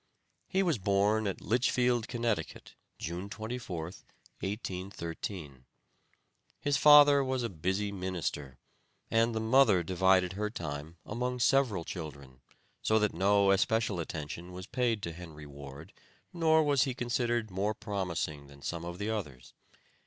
He was born at Litchfield, Connecticut, June 24th, 1813. His father was a busy minister, and the mother divided her time among several children, so that no especial attention was paid to Henry Ward, nor was he considered more promising than some of the others.